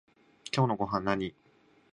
今日のごはんなに？